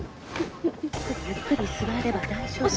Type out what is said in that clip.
ゆっくり座れば大丈夫。